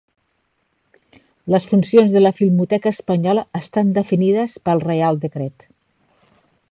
Les funcions de la Filmoteca Espanyola estan definides per Reial decret.